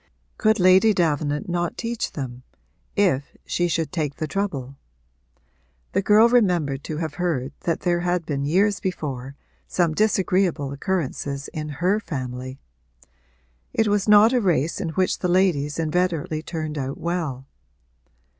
Could Lady Davenant not teach them, if she should take the trouble? The girl remembered to have heard that there had been years before some disagreeable occurrences in her family; it was not a race in which the ladies inveterately turned out well.